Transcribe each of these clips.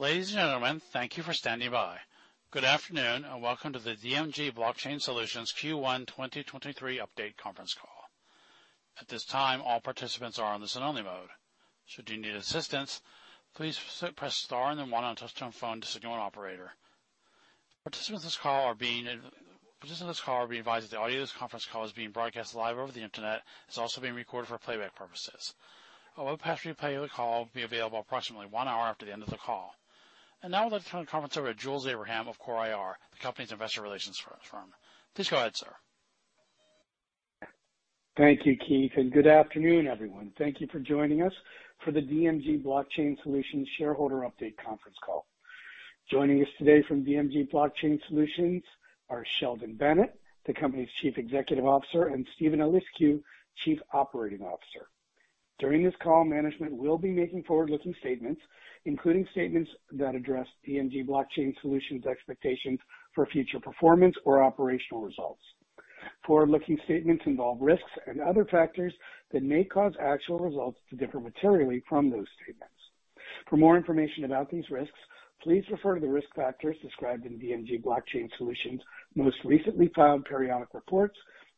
Ladies and gentlemen, thank you for standing by. Good afternoon, and welcome to the DMG Blockchain Solutions Q1 2023 update conference call. At this time, all participants are on listen-only mode. Should you need assistance, please press star and then one on touchtone phone to signal an operator. Participants of this call are being advised that the audio of this conference call is being broadcast live over the Internet. It's also being recorded for playback purposes. A web-based replay of the call will be available approximately one hour after the end of the call. Now I'd like to turn the conference over to Jules Abraham of CORE IR, the company's investor relations firm. Please go ahead, sir. Thank you, Keith, and good afternoon, everyone. Thank you for joining us for the DMG Blockchain Solutions shareholder update conference call. Joining us today from DMG Blockchain Solutions are Sheldon Bennett, the company's Chief Executive Officer, and Steven Eliscu, Chief Operating Officer. During this call, management will be making forward-looking statements, including statements that address DMG Blockchain Solutions expectations for future performance or operational results. Forward-looking statements involve risks and other factors that may cause actual results to differ materially from those statements. For more information about these risks, please refer to the risk factors described in DMG Blockchain Solutions most recently filed periodic reports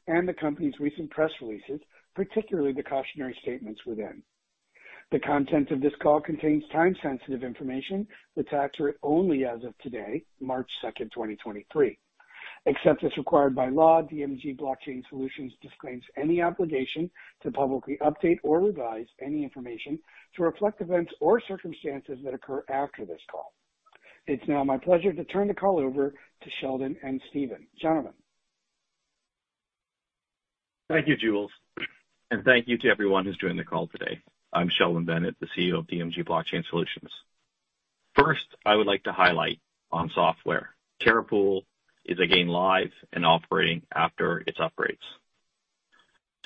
and the company's recent press releases, particularly the cautionary statements within. The content of this call contains time-sensitive information that's accurate only as of today, March 2nd, 2023. Except as required by law, DMG Blockchain Solutions disclaims any obligation to publicly update or revise any information to reflect events or circumstances that occur after this call. It's now my pleasure to turn the call over to Sheldon and Steven. Gentlemen. Thank you, Jules, and thank you to everyone who's joined the call today. I'm Sheldon Bennett, the CEO of DMG Blockchain Solutions. First, I would like to highlight on software. Terra Pool is again live and operating after its upgrades.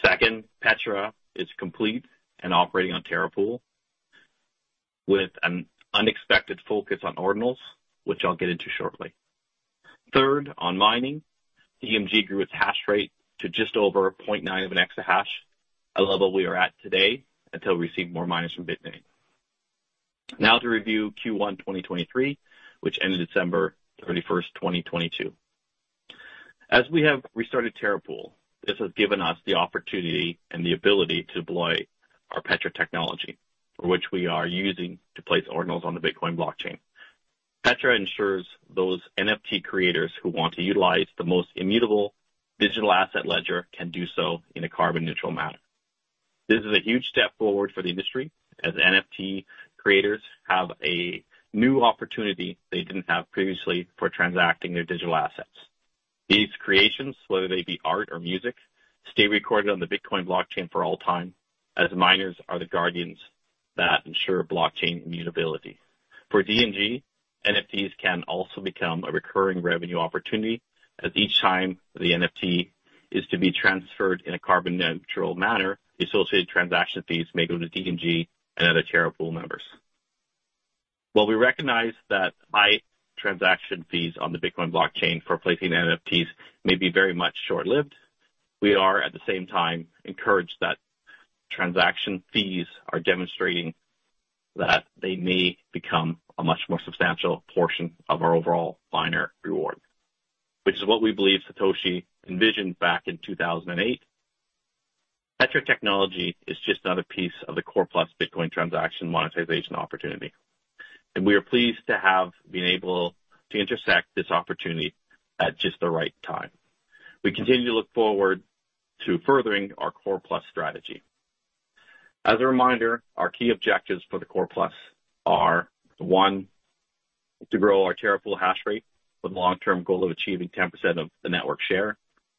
Second, Petra is complete and operating on Terra Pool with an unexpected focus on Ordinals, which I'll get into shortly. Third, on mining, DMG grew its hash rate to just over 0.9 of an exahash, a level we are at today until we receive more miners from Bitmain. To review Q1 2023, which ended December 31st, 2022. As we have restarted Terra Pool, this has given us the opportunity and the ability to deploy our Petra technology, which we are using to place Ordinals on the Bitcoin blockchain. Petra ensures those NFT creators who want to utilize the most immutable digital asset ledger can do so in a carbon neutral manner. This is a huge step forward for the industry as NFT creators have a new opportunity they didn't have previously for transacting their digital assets. These creations, whether they be art or music, stay recorded on the Bitcoin blockchain for all time, as miners are the guardians that ensure blockchain immutability. For DMG, NFTs can also become a recurring revenue opportunity as each time the NFT is to be transferred in a carbon neutral manner, the associated transaction fees may go to DMG and other Terra Pool members. While we recognize that high transaction fees on the Bitcoin blockchain for placing NFTs may be very much short-lived, we are at the same time encouraged that transaction fees are demonstrating that they may become a much more substantial portion of our overall miner reward, which is what we believe Satoshi envisioned back in 2008. Petra technology is just another piece of the Core+ Bitcoin transaction monetization opportunity. We are pleased to have been able to intersect this opportunity at just the right time. We continue to look forward to furthering our Core+ strategy. As a reminder, our key objectives for the Core+ are, one, to grow our Terra Pool hash rate with the long-term goal of achieving 10% of the network share.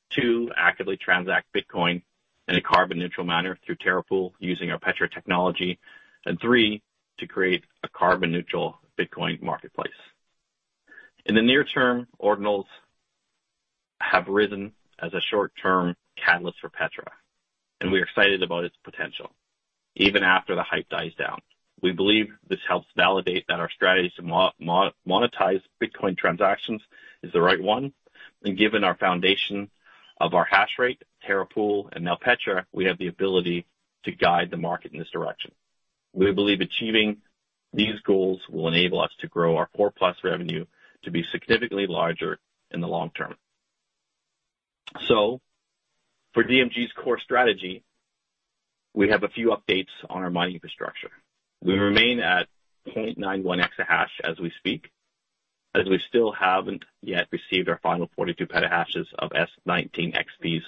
Two, actively transact Bitcoin in a carbon-neutral manner through Terra Pool using our Petra technology. Three, to create a carbon-neutral Bitcoin marketplace. In the near-term, Ordinals have risen as a short-term catalyst for Petra, and we are excited about its potential even after the hype dies down. We believe this helps validate that our strategy to monetize Bitcoin transactions is the right one. Given our foundation of our hash rate, Terra Pool and now Petra, we have the ability to guide the market in this direction. We believe achieving these goals will enable us to grow our Core+ revenue to be significantly larger in the long-term. For DMG's core strategy, we have a few updates on our mining infrastructure. We remain at 0.91 EH/s as we speak, as we still haven't yet received our final 42 PH/s of S19 XPs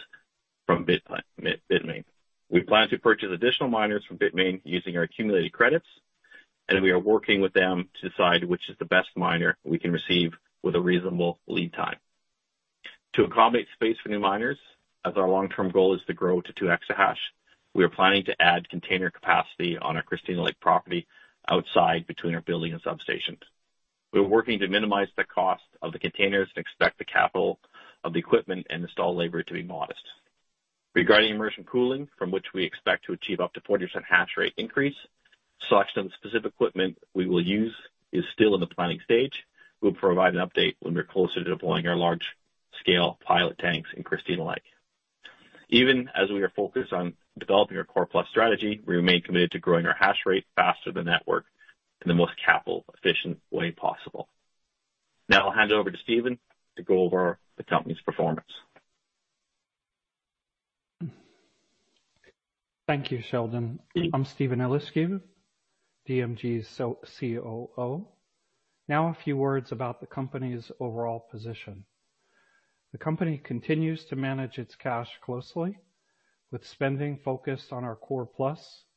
from Bitmain. We plan to purchase additional miners from Bitmain using our accumulated credits, and we are working with them to decide which is the best miner we can receive with a reasonable lead time. To accommodate space for new miners, as our long-term goal is to grow to 2 EH/s, we are planning to add container capacity on our Christina Lake property outside between our building and substations. We are working to minimize the cost of the containers and expect the capital of the equipment and install labor to be modest. Regarding immersion cooling, from which we expect to achieve up to 40% hash rate increase, selection of specific equipment we will use is still in the planning stage. We'll provide an update when we're closer to deploying our large-scale pilot tanks in Christina Lake. Even as we are focused on developing our Core+ strategy, we remain committed to growing our hash rate faster than network in the most capital efficient way possible. I'll hand it over to Steven to go over the company's performance. Thank you, Sheldon. I'm Steven Eliscu, DMG's COO. Now a few words about the company's overall position. The company continues to manage its cash closely, with spending focused on our Core+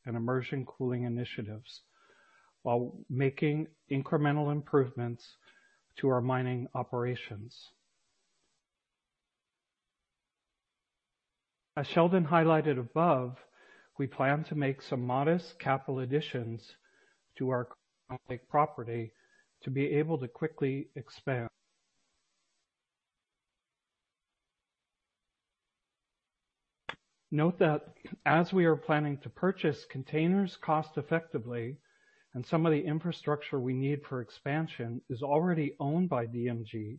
and immersion cooling initiatives while making incremental improvements to our mining operations. As Sheldon highlighted above, we plan to make some modest capital additions to our property to be able to quickly expand. Note that as we are planning to purchase containers cost effectively and some of the infrastructure we need for expansion is already owned by DMG,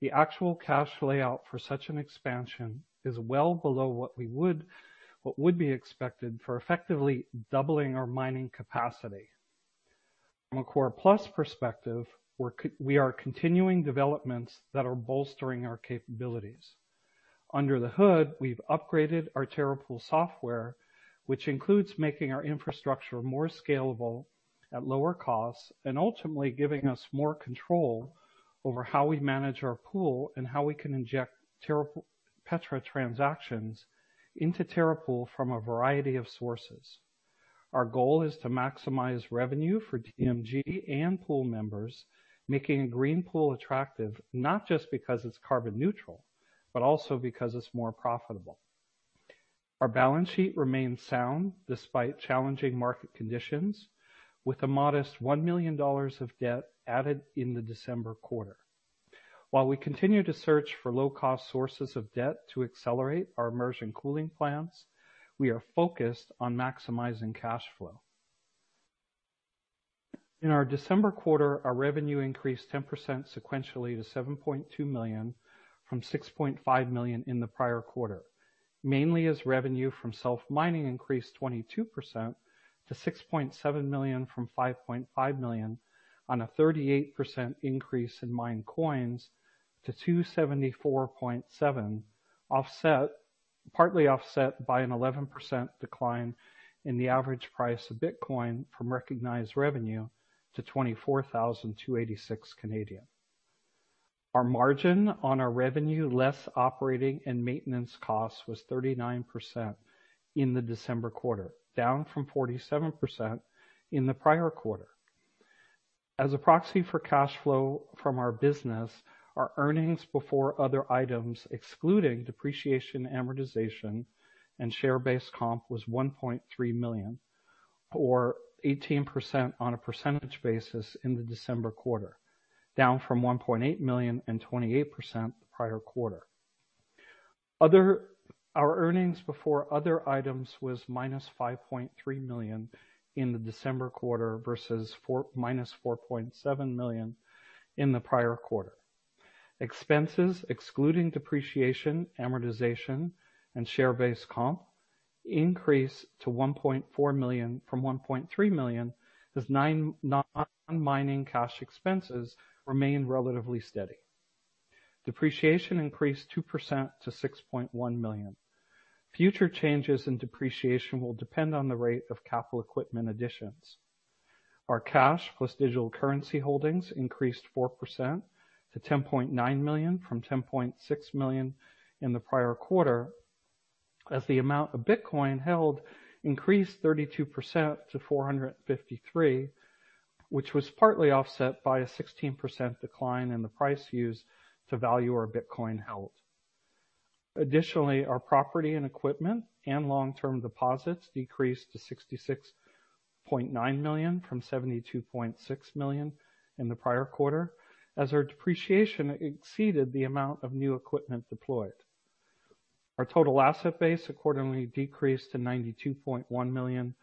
the actual cash layout for such an expansion is well below what would be expected for effectively doubling our mining capacity. From a Core+ perspective, we are continuing developments that are bolstering our capabilities. Under the hood, we've upgraded our Terra Pool software, which includes making our infrastructure more scalable at lower costs and ultimately giving us more control over how we manage our pool and how we can inject Petra transactions into Terra Pool from a variety of sources. Our goal is to maximize revenue for DMG and pool members, making a green pool attractive, not just because it's carbon-neutral, but also because it's more profitable. Our balance sheet remains sound despite challenging market conditions, with a modest 1 million dollars of debt added in the December quarter. While we continue to search for low-cost sources of debt to accelerate our immersion cooling plans, we are focused on maximizing cash flow. In our December quarter, our revenue increased 10% sequentially to 7.2 million from 6.5 million in the prior quarter, mainly as revenue from self-mining increased 22% to 6.7 million from 5.5 million on a 38% increase in mined coins to 274.7, partly offset by an 11% decline in the average price of Bitcoin from recognized revenue to 24,286. Our margin on our revenue, less operating and maintenance costs, was 39% in the December quarter, down from 47% in the prior quarter. As a proxy for cash flow from our business, our earnings before other items, excluding depreciation, amortization, and share-based comp, was 1.3 million, or 18% on a percentage basis in the December quarter, down from 1.8 million and 28% the prior quarter. Our earnings before other items was minus 5.3 million in the December quarter versus minus 4.7 million in the prior quarter. Expenses excluding depreciation, amortization, and share-based comp increased to 1.4 million from 1.3 million as non-mining cash expenses remained relatively steady. Depreciation increased 2% to 6.1 million. Future changes in depreciation will depend on the rate of capital equipment additions. Our cash plus digital currency holdings increased 4% to 10.9 million from 10.6 million in the prior quarter as the amount of Bitcoin held increased 32% to 453, which was partly offset by a 16% decline in the price used to value our Bitcoin held. Additionally, our property and equipment and long-term deposits decreased to 66.9 million from 72.6 million in the prior quarter, as our depreciation exceeded the amount of new equipment deployed. Our total asset base accordingly decreased to 92.1 million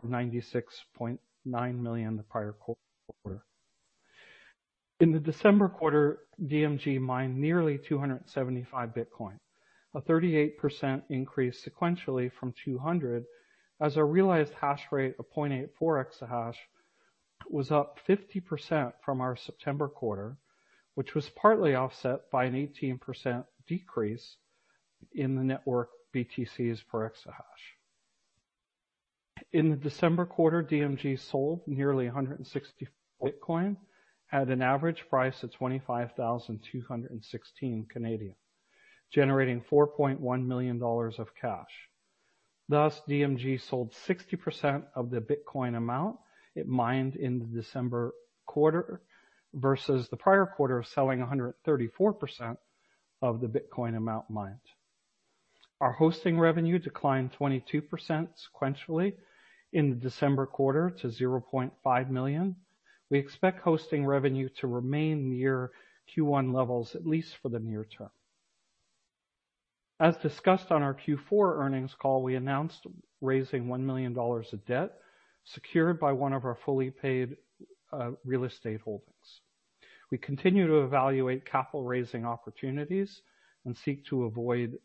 from 96.9 million the prior quarter. In the December quarter, DMG mined nearly 275 Bitcoin, a 38% increase sequentially from 200 as a realized hash rate of 0.84 EH/s was up 50% from our September quarter, which was partly offset by an 18% decrease in the network BTC per exahash. In the December quarter, DMG sold nearly 160 Bitcoin at an average price of 25,216, generating CAD 4.1 million of cash. DMG sold 60% of the Bitcoin amount it mined in the December quarter, versus the prior quarter selling 134% of the Bitcoin amount mined. Our hosting revenue declined 22% sequentially in the December quarter to 0.5 million. We expect hosting revenue to remain near Q1 levels, at least for the near-term. As discussed on our Q4 earnings call, we announced raising 1 million dollars of debt secured by one of our fully paid real estate holdings. We continue to evaluate capital raising opportunities and seek to avoid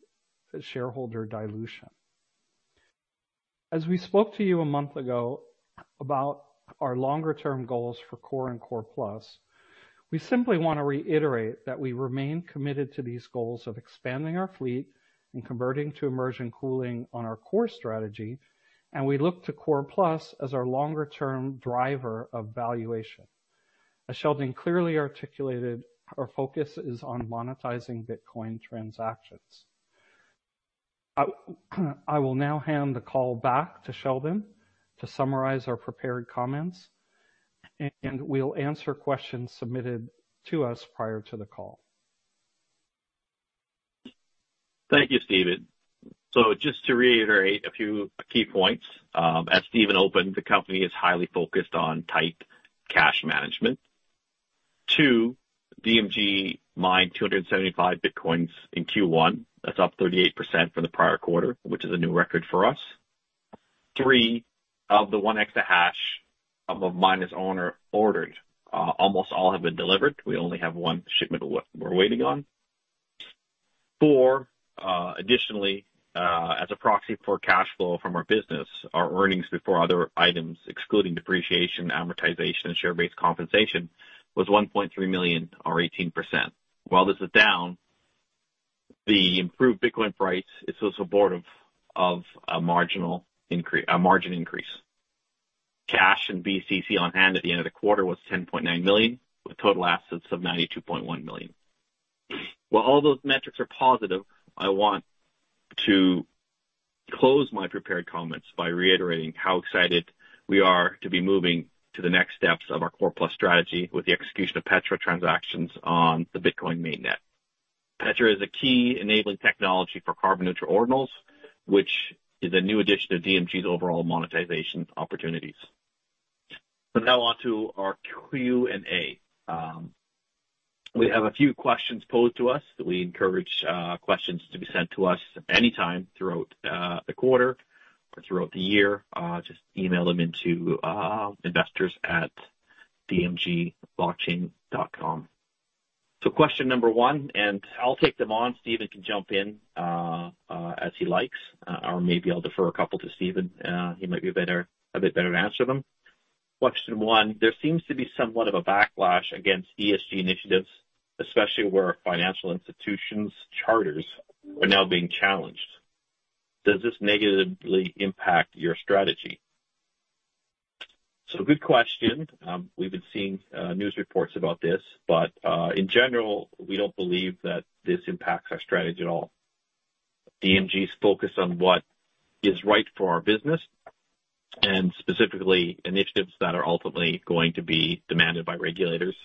shareholder dilution. As we spoke to you a month ago about our longer-term goals for Core and Core+, we simply want to reiterate that we remain committed to these goals of expanding our fleet and converting to immersion cooling on our Core strategy, and we look to Core+ as our longer-term driver of valuation. As Sheldon clearly articulated, our focus is on monetizing Bitcoin transactions. I will now hand the call back to Sheldon to summarize our prepared comments, and we'll answer questions submitted to us prior to the call. Thank you, Steven. Just to reiterate a few key points. As Steven opened, the company is highly focused on tight cash management. Two, DMG mined 275 Bitcoins in Q1. That's up 38% from the prior quarter, which is a new record for us. Three, of the 1 EH/s of miners ordered, almost all have been delivered. We only have one shipment we're waiting on. Four, additionally, as a proxy for cash flow from our business, our earnings before other items, excluding depreciation, amortization, and share-based compensation, was 1.3 million or 18%. While this is down, the improved Bitcoin price is also supportive of a margin increase. Cash and BTC on hand at the end of the quarter was 10.9 million, with total assets of 92.1 million. While all those metrics are positive, I want to close my prepared comments by reiterating how excited we are to be moving to the next steps of our Core+ strategy with the execution of Petra transactions on the Bitcoin mainnet. Petra is a key enabling technology for carbon-neutral Ordinals, which is a new addition to DMG's overall monetization opportunities. Now on to our Q&A. We have a few questions posed to us. We encourage questions to be sent to us anytime throughout the quarter or throughout the year. Just email them into investors at dmgblockchain.com. Question number one, and I'll take them on. Steven can jump in as he likes, or maybe I'll defer a couple to Steven. He might be a bit better to answer them. Question one, there seems to be somewhat of a backlash against ESG initiatives, especially where financial institutions charters are now being challenged. Does this negatively impact your strategy? Good question. We've been seeing news reports about this, but in general, we don't believe that this impacts our strategy at all. DMG is focused on what is right for our business and specifically initiatives that are ultimately going to be demanded by regulators.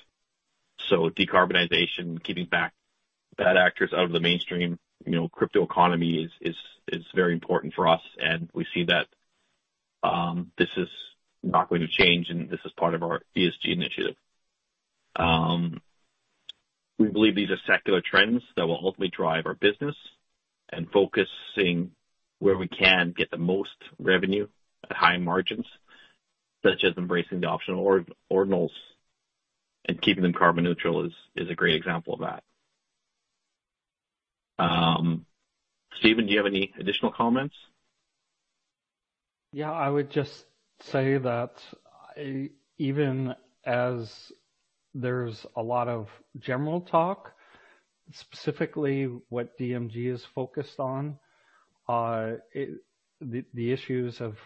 Decarbonization, keeping back bad actors out of the mainstream, you know, crypto economy is very important for us and we see that this is not going to change and this is part of our ESG initiative. We believe these are secular trends that will ultimately drive our business and focusing where we can get the most revenue at high margins, such as embracing the optional Ordinals and keeping them carbon neutral is a great example of that. Steven, do you have any additional comments? Yeah, I would just say that even as there's a lot of general talk, specifically what DMG is focused on, the issues of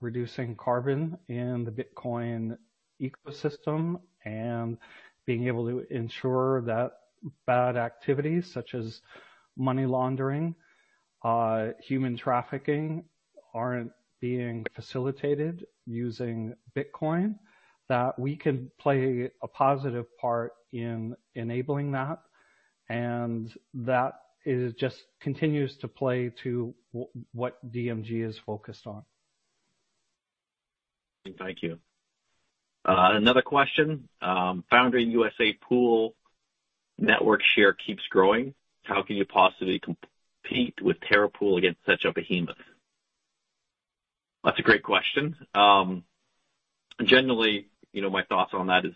reducing carbon in the Bitcoin ecosystem and being able to ensure that bad activities such as money laundering, human trafficking aren't being facilitated using Bitcoin, that we can play a positive part in enabling that. That is just continues to play to what DMG is focused on. Thank you. Another question. Foundry USA Pool network share keeps growing. How can you possibly compete with Terra Pool against such a behemoth? That's a great question. Generally, you know, my thoughts on that is,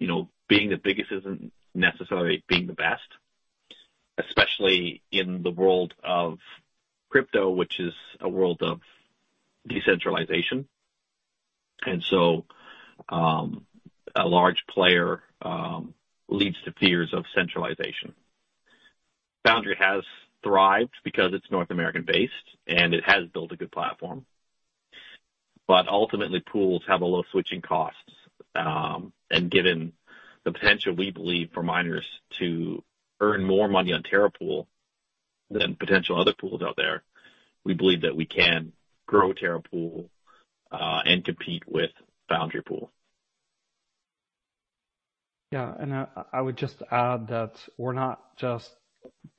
you know, being the biggest isn't necessarily being the best, especially in the world of crypto, which is a world of decentralization. A large player leads to fears of centralization. Foundry has thrived because it's North American-based, and it has built a good platform. Ultimately, pools have a low switching cost, and given the potential we believe for miners to earn more money on Terra Pool than potential other pools out there, we believe that we can grow Terra Pool and compete with Foundry Pool. Yeah. I would just add that we're not just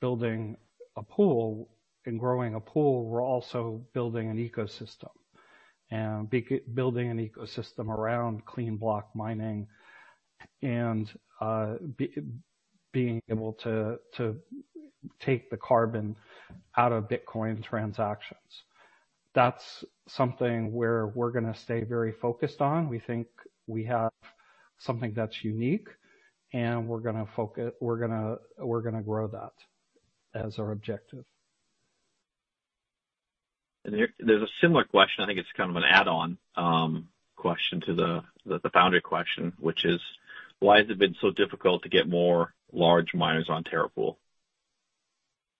building a pool and growing a pool. We're also building an ecosystem and building an ecosystem around clean block mining and being able to take the carbon out of Bitcoin transactions. That's something where we're going to stay very focused on. We think we have something that's unique, and we're going to grow that as our objective. There, there's a similar question. I think it's kind of an add-on question to the Foundry question, which is, why has it been so difficult to get more large miners on Terra Pool?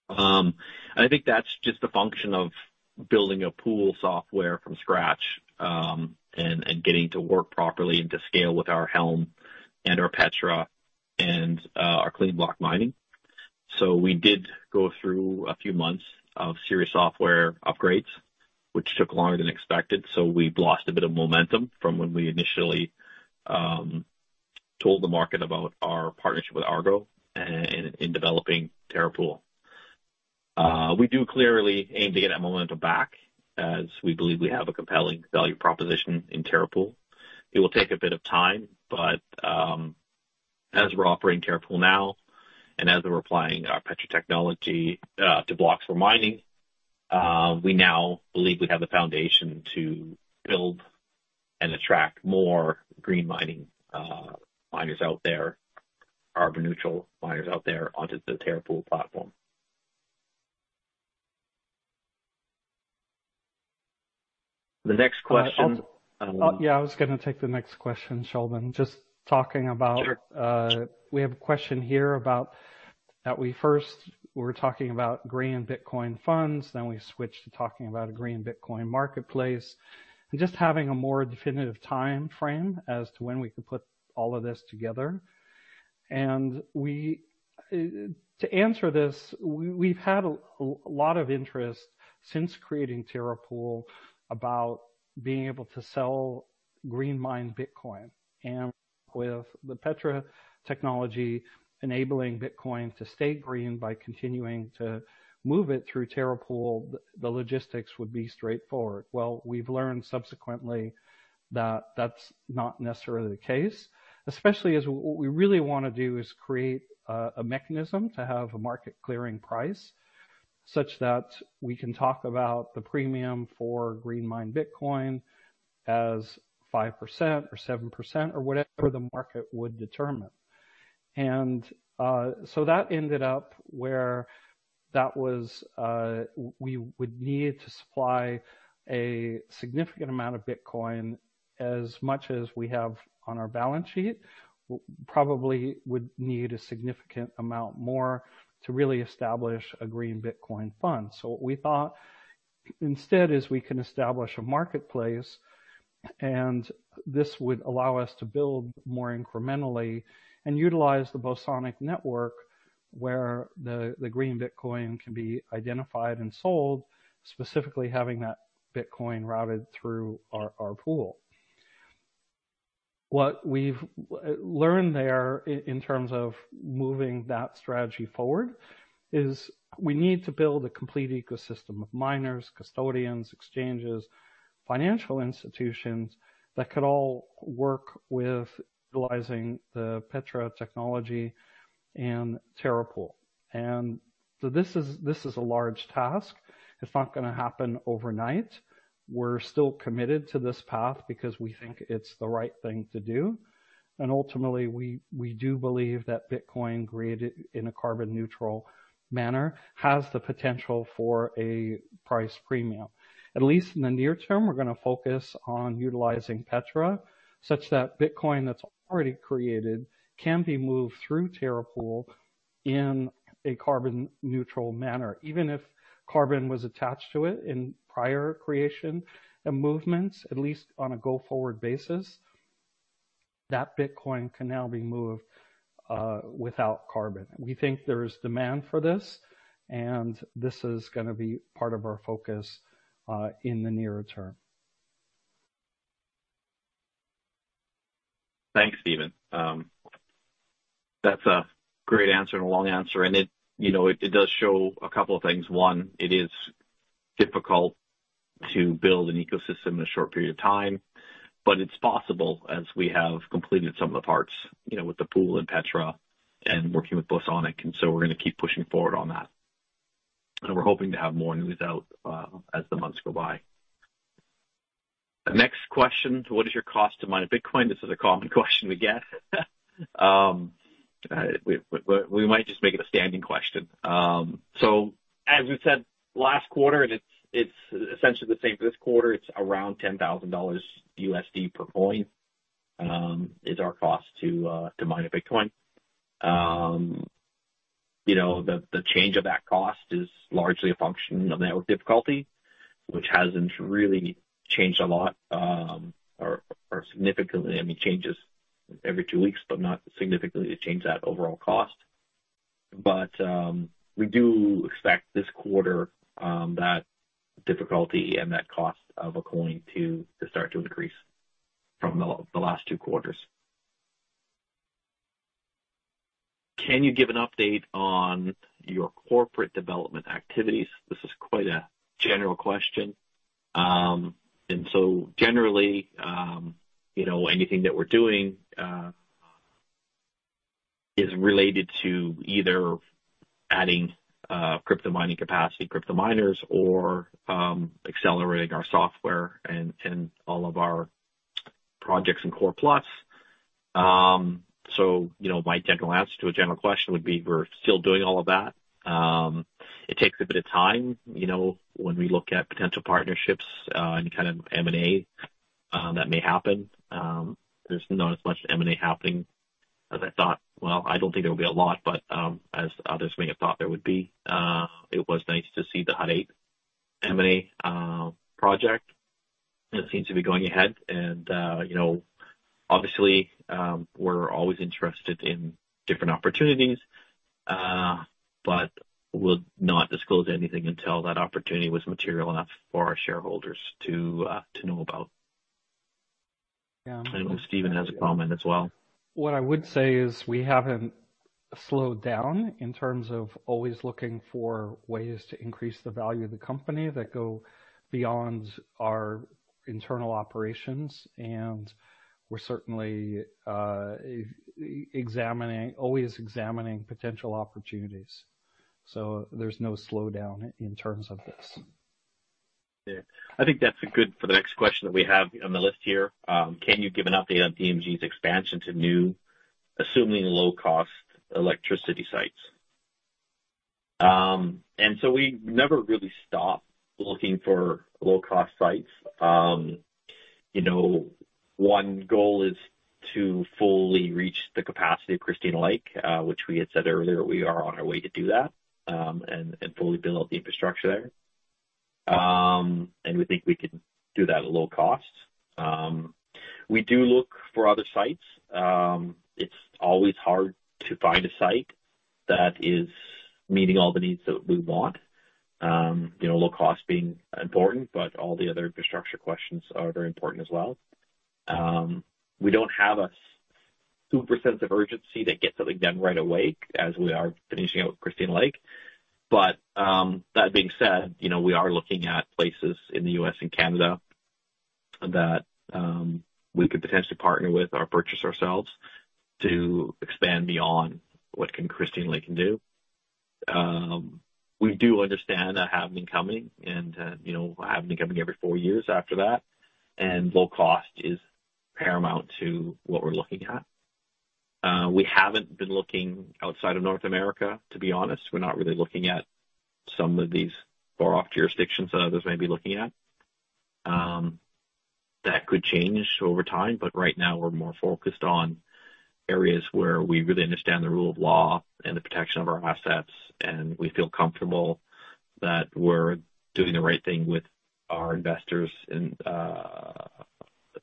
I think that's just a function of building a pool software from scratch and getting to work properly and to scale with our Helm and our Petra and our clean block mining. We did go through a few months of serious software upgrades, which took longer than expected, so we've lost a bit of momentum from when we initially told the market about our partnership with Argo in developing Terra Pool. We do clearly aim to get that momentum back as we believe we have a compelling value proposition in Terra Pool. It will take a bit of time, but, as we're operating Terra Pool now, and as we're applying our Petra technology, to blocks for mining, we now believe we have the foundation to build and attract more green mining, miners out there, carbon-neutral miners out there onto the Terra Pool platform. Yeah, I was going to take the next question, Sheldon. We have a question here about that we first were talking about green Bitcoin funds, then we switched to talking about a green Bitcoin marketplace, and just having a more definitive timeframe as to when we could put all of this together. To answer this, we've had a lot of interest since creating Terra Pool about being able to sell green mined Bitcoin. With the Petra technology enabling Bitcoin to stay green by continuing to move it through Terra Pool, the logistics would be straightforward. We've learned subsequently that that's not necessarily the case, especially as what we really want to do is create a mechanism to have a market clearing price such that we can talk about the premium for green mined Bitcoin as 5% or 7% or whatever the market would determine. That ended up where that was, we would need to supply a significant amount of Bitcoin as much as we have on our balance sheet. We probably would need a significant amount more to really establish a green Bitcoin fund. What we thought instead is we can establish a marketplace, and this would allow us to build more incrementally and utilize the Bosonic network, where the green Bitcoin can be identified and sold, specifically having that Bitcoin routed through our pool. What we've learned there in terms of moving that strategy forward is we need to build a complete ecosystem of miners, custodians, exchanges, financial institutions that could all work with utilizing the Petra technology and Terra Pool. This is a large task. It's not going to happen overnight. We're still committed to this path because we think it's the right thing to do. Ultimately we do believe that Bitcoin created in a carbon neutral manner has the potential for a price premium. At least in the near-term, we're going to focus on utilizing Petra such that Bitcoin that's already created can be moved through Terra Pool in a carbon neutral manner. Even if carbon was attached to it in prior creation and movements, at least on a go-forward basis, that Bitcoin can now be moved without carbon. We think there is demand for this is going to be part of our focus in the near-term. Thanks, Steven. That's a great answer and a long answer, and you know, it does show a couple of things. One, it is difficult to build an ecosystem in a short period of time, but it's possible as we have completed some of the parts, you know, with the pool and Petra and working with Bosonic, we're going to keep pushing forward on that. We're hoping to have more news out as the months go by. The next question, what is your cost to mine a Bitcoin? This is a common question we get. We might just make it a standing question. As we said last quarter, and it's essentially the same for this quarter, it's around $10,000 per coin is our cost to mine a Bitcoin. The change of that cost is largely a function of network difficulty, which hasn't really changed a lot, or significantly. I mean, changes every two weeks, but not significantly to change that overall cost. We do expect this quarter that difficulty and that cost of a coin to start to increase from the last two quarters. Can you give an update on your corporate development activities? This is quite a general question. Generally, you know, anything that we're doing Is related to either adding crypto mining capacity, crypto miners, or accelerating our software and all of our projects in Core+. you know, my general answer to a general question would be we're still doing all of that. It takes a bit of time, you know, when we look at potential partnerships, and kind of M&A that may happen. There's not as much M&A happening as I thought. Well, I don't think there will be a lot, but as others may have thought there would be. It was nice to see the Hut 8 M&A project that seems to be going ahead. You know, obviously, we're always interested in different opportunities, but we'll not disclose anything until that opportunity was material enough for our shareholders to know about. I think Steven has a comment as well. What I would say is we haven't slowed down in terms of always looking for ways to increase the value of the company that go beyond our internal operations, and we're certainly, always examining potential opportunities. There's no slowdown in terms of this. Yeah. I think that's a good for the next question that we have on the list here. Can you give an update on DMG's expansion to new, assuming low cost electricity sites? We never really stopped looking for low cost sites. You know, one goal is to fully reach the capacity of Christina Lake, which we had said earlier, we are on our way to do that, and fully build out the infrastructure there. We think we can do that at low cost. We do look for other sites. It's always hard to find a site that is meeting all the needs that we want. You know, low cost being important, but all the other infrastructure questions are very important as well. We don't have a super sense of urgency to get something done right away as we are finishing out Christina Lake. That being said, you know, we are looking at places in the U.S. and Canada that we could potentially partner with or purchase ourselves to expand beyond what Christina Lake can do. We do understand a halving coming and, you know, a halving coming every four years after that. Low cost is paramount to what we're looking at. We haven't been looking outside of North America, to be honest. We're not really looking at some of these far off jurisdictions that others may be looking at. That could change over time, but right now we're more focused on areas where we really understand the rule of law and the protection of our assets, and we feel comfortable that we're doing the right thing with our investors and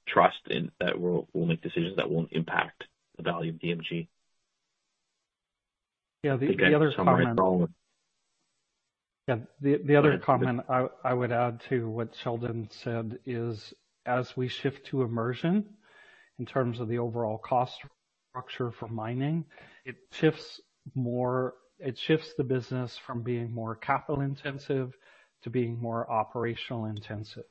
trust in that we'll make decisions that won't impact the value of DMG. Yeah. The other comment I would add to what Sheldon said is, as we shift to immersion in terms of the overall cost structure for mining, it shifts the business from being more capital intensive to being more operational intensive.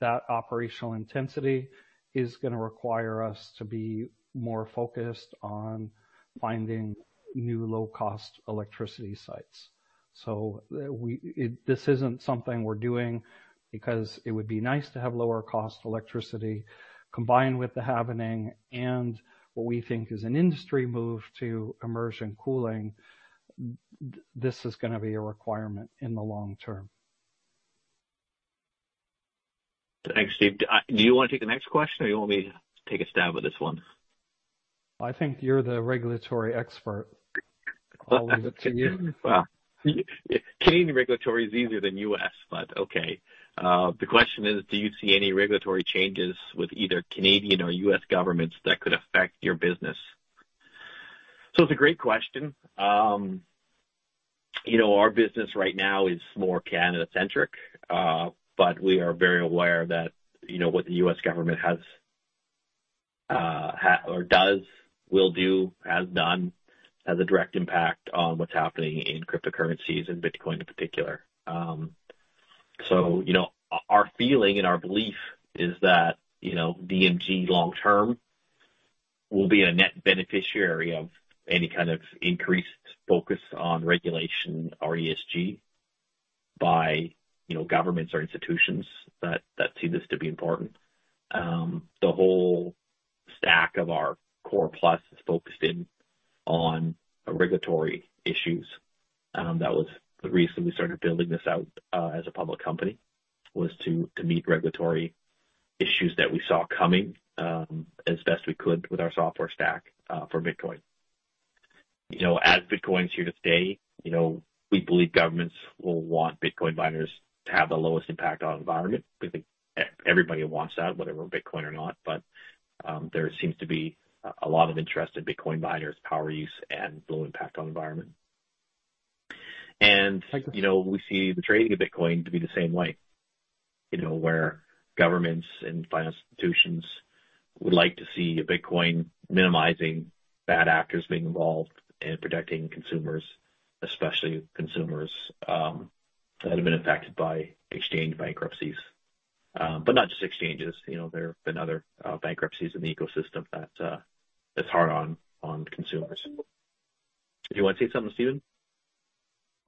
That operational intensity is going to require us to be more focused on finding new low cost electricity sites. This isn't something we're doing because it would be nice to have lower cost electricity combined with the halvening and what we think is an industry move to immersion cooling. This is going to be a requirement in the long-term. Thanks, Steve. Do you want to take the next question or you want me to take a stab at this one? I think you're the regulatory expert. I'll leave it to you. Canadian regulatory is easier than U.S., okay. The question is, do you see any regulatory changes with either Canadian or U.S. governments that could affect your business? It's a great question. You know, our business right now is more Canada-centric, we are very aware that, you know, what the U.S. government has or does, will do, has done, has a direct impact on what's happening in cryptocurrencies and Bitcoin in particular. You know, our feeling and our belief is that, you know, DMG long-term will be a net beneficiary of any kind of increased focus on regulation or ESG by, you know, governments or institutions that sees this to be important. The whole stack of our Core+ is focused in on regulatory issues. That was the reason we started building this out as a public company, was to meet regulatory issues that we saw coming, as best we could with our software stack for Bitcoin. You know, as Bitcoin is here to stay, you know, we believe governments will want Bitcoin miners to have the lowest impact on environment. We think everybody wants that, whether we're Bitcoin or not. There seems to be a lot of interest in Bitcoin miners' power use and low impact on environment. Second, you know, we see the trading of Bitcoin to be the same way, you know, where governments and financial institutions would like to see a Bitcoin minimizing bad actors being involved and protecting consumers, especially consumers that have been impacted by exchange bankruptcies. Not just exchanges, you know, there have been other bankruptcies in the ecosystem that's hard on consumers. Do you want to say something, Steven?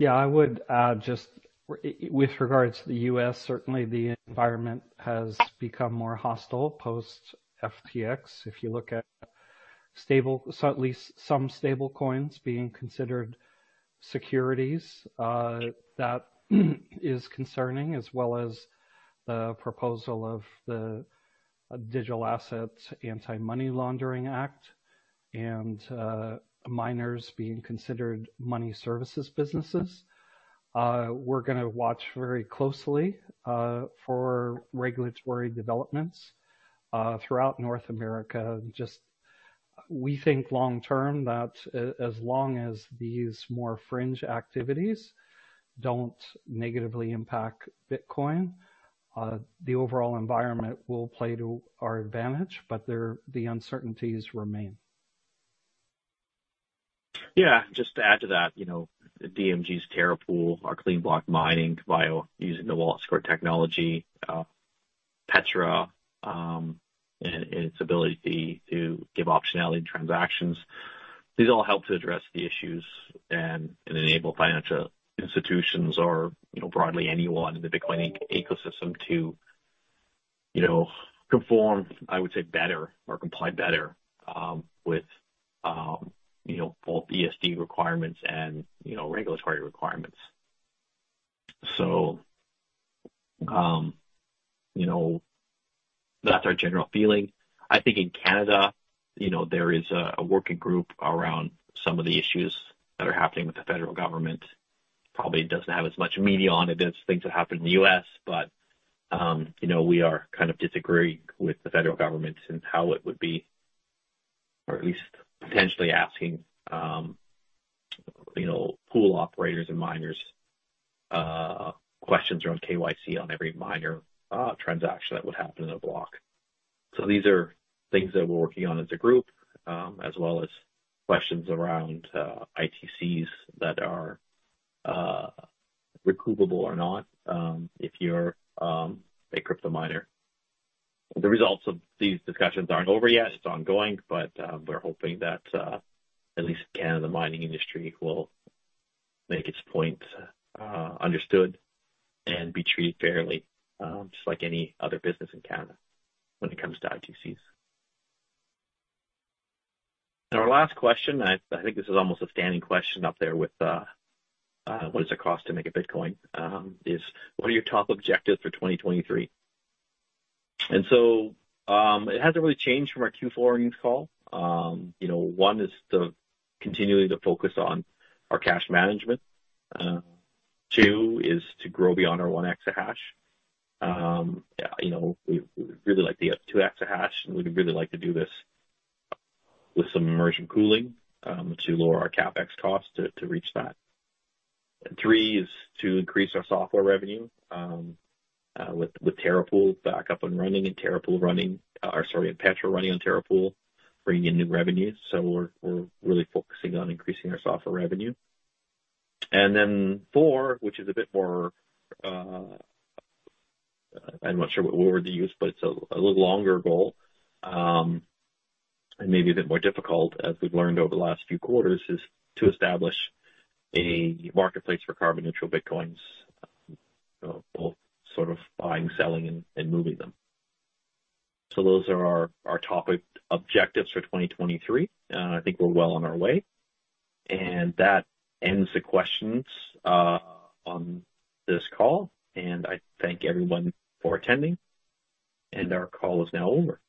I would. Just with regards to the U.S., certainly the environment has become more hostile post FTX. If you look at at least some stablecoins being considered securities, that is concerning, as well as the proposal of the Digital Asset Anti-Money Laundering Act and miners being considered money services businesses. We're going to watch very closely for regulatory developments throughout North America. We think long-term that as long as these more fringe activities don't negatively impact Bitcoin, the overall environment will play to our advantage, but the uncertainties remain. Yeah. Just to add to that, you know, DMG's Terra Pool, our clean block mining via using the WalletScore technology, Petra, and its ability to give optionality in transactions, these all help to address the issues and enable financial institutions or, you know, broadly anyone in the Bitcoin ecosystem to, you know, conform, I would say, better or comply better with, you know, both ESG requirements and, you know, regulatory requirements. You know, that's our general feeling. I think in Canada, you know, there is a working group around some of the issues that are happening with the federal government. Probably doesn't have as much media on it as things that happen in the U.S., but we are kind of disagreeing with the federal government and how it would be, or at least potentially asking pool operators and miners questions around KYC on every miner transaction that would happen in a block. These are things that we're working on as a group, as well as questions around ITCs that are recoupable or not, if you're a crypto miner. The results of these discussions aren't over yet, it's ongoing, but we're hoping that at least Canada mining industry will make its point understood and be treated fairly, just like any other business in Canada when it comes to ITCs. Our last question, I think this is almost a standing question up there with what does it cost to make a Bitcoin, is what are your top objectives for 2023? It hasn't really changed from our Q4 earnings call. You know, one is the continuing to focus on our cash management. Two is to grow beyond our 1 EH/s. You know, we'd really like to get to 2 EH/s, and we'd really like to do this with some immersion cooling to lower our CapEx costs to reach that. Three is to increase our software revenue with Terra Pool back up and running and Petra running on Terra Pool, bringing in new revenues. We're really focusing on increasing our software revenue. Four, which is a bit more, I'm not sure what word to use, but it's a little longer goal, and maybe a bit more difficult as we've learned over the last few quarters, is to establish a marketplace for carbon neutral Bitcoins, both sort of buying, selling and moving them. Those are our topic objectives for 2023. I think we're well on our way. That ends the questions on this call, and I thank everyone for attending and our call is now over.